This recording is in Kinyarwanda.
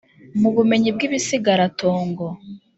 mu bumenyi bw ibisigaratongo